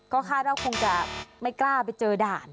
ก็คาดว่าคงจะไม่กล้าไปเจอด่าน